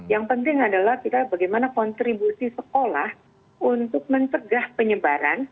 yang penting adalah kita bagaimana kontribusi sekolah untuk mencegah penyebaran